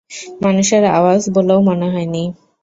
মানুষের আওয়াজ বলেও মনে হয়নি।